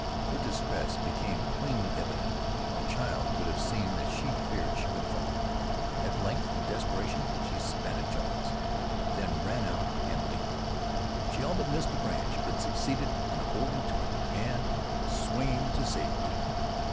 Her distress became plainly evident; a child could have seen that she feared she would fall. At length, in desperation, she spat at Jones, then ran out and leaped. She all but missed the branch, but succeeded in holding to it and swinging to safety.